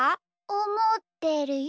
おもってるよ。